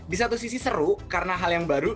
di satu sisi seru karena hal yang baru